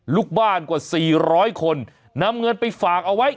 ลูกบ้านกว่า๔๐๐คนนำเงินไปฝากเอาไว้